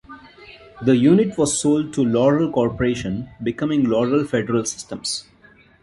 The unit was sold to Loral Corporation, becoming Loral Federal Systems.